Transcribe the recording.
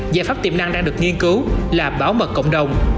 giải pháp tiềm năng đang được nghiên cứu là bảo mật cộng đồng